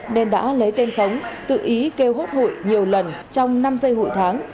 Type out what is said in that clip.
nên đã lấy tên khống tự ý kêu hốt hụi nhiều lần trong năm giây hụi tháng